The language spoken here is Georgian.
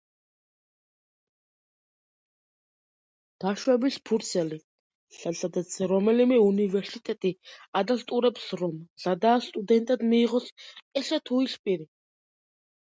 დაშვების ფურცელი, სადაც რომელიმე უნივერსიტეტი ადასტურებს რომ მზადაა სტუდენტად მიიღოს ესა თუ ის პირი.